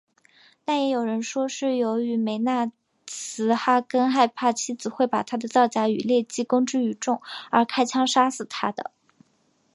但也有人说是由于梅纳茨哈根害怕妻子会把他的造假与劣迹公之于众而开枪杀死她的。